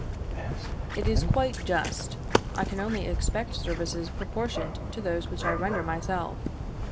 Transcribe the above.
It is quite just; I can only expect services proportioned to those which I render myself.